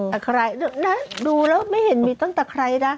ตั้งใจดูแล้วไม่เห็นมีตั้งใจใครนะ